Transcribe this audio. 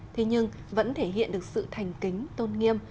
thế nhưng vẫn thể hiện được sự thành kính tôn nghiêm